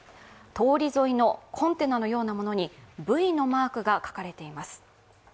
通り沿いのコンテナのようなものに「Ｖ」のマークが書かれています。